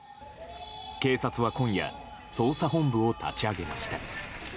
警察は今夜捜査本部を立ち上げました。